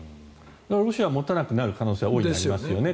ロシアは持たなくなる可能性は大いにありますよね。